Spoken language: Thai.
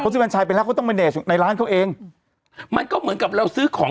เขาซื้อแฟนชายไปแล้วเขาต้องในร้านเขาเองมันก็เหมือนกับเราซื้อของ